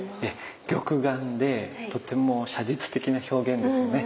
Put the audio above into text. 玉眼でとても写実的な表現ですよね。